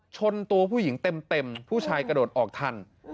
ชนตัวผู้หญิงเต็มผู้ชายกระโดดออกทัน